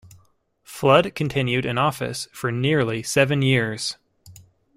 Flood continued in office for nearly seven years.